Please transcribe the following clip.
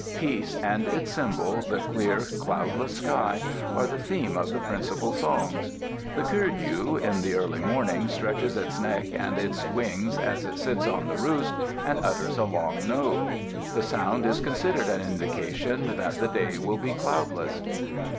Peace and its symbol, the clear, cloudless sky, are the theme of the principal songs. The curlew, in the early morning, stretches its neck and its wing as it sits on the roost, and utters a long note. The sound is considered an indication that the day will be cloudless.